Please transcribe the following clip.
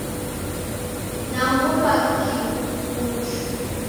Naghulwa Kikuchu.